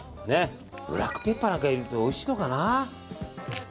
ブラックペッパーなんて入れるとおいしいのかな。